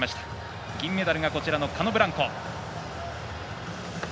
銀メダルがカノブランコ。